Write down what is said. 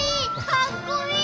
かっこいい！